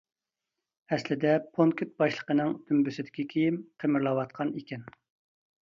ئەسلىدە پونكىت باشلىقىنىڭ دۈمبىسىدىكى كىيىم قىمىرلاۋاتقان ئىكەن.